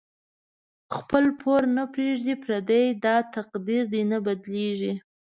خپل پور نه پریږدی پردی، داتقدیر دی نه بیلیږی